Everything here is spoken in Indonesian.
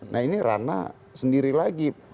nah ini rana sendiri lagi